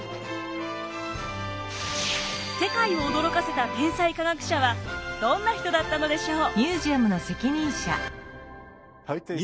世界を驚かせた天才科学者はどんな人だったのでしょう。